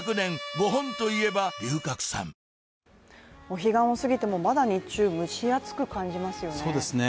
お彼岸を過ぎても、まだ日中蒸し暑く感じますよね。